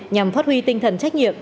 nhằm phát huy tinh thần trách nhiệm